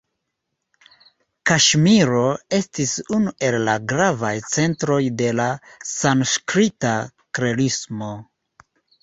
Kaŝmiro estis unu el la gravaj centroj de la sanskrita klerismo.